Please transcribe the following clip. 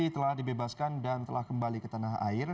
telah dibebaskan dan telah kembali ke tanah air